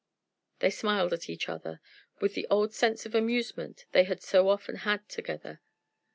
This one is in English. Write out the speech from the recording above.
They smiled at each other, with the old sense of amusement they had so often had together.